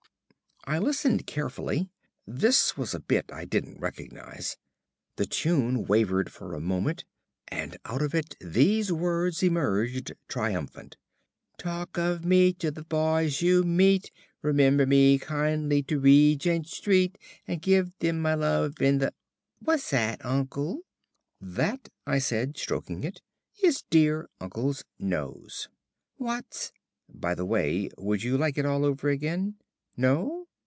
I listened carefully. This was a bit I didn't recognise.... The tune wavered for a moment ... and out of it these words emerged triumphant "Talk of me to the boys you meet, Remember me kindly to Regent Street, And give them my love in the " "What's 'at, uncle?" "That," I said, stroking it, "is dear uncle's nose." "What's " By the way, would you like it all over again? No?